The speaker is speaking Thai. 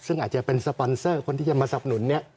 ซึ่งอาจจะเป็นสปอนเซอร์คนที่จะมาสับหนุนเนี่ย